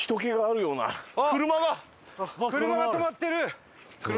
車が止まってる。